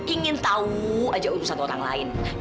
ingin tahumu aja urusan orang lain